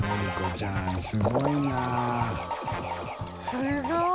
すごい！